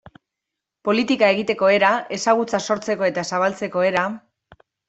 Politika egiteko era, ezagutza sortzeko eta zabaltzeko era...